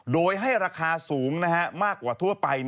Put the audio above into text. โดยให้ราคาสูงมากกว่าทั่วไป